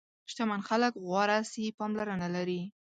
شتمن خلک غوره صحي پاملرنه لري.